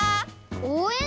おうえん？